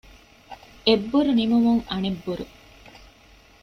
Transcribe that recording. އެއްބުރު ނިމުމުން އަނެއް ބުރު